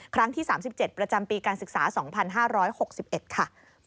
ครั้งที่๓๗ประจำปีการศึกษา๒๕๖๑ค่ะ